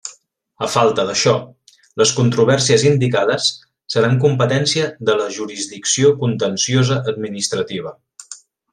A falta d'això, les controvèrsies indicades seran competència de la jurisdicció contenciosa administrativa.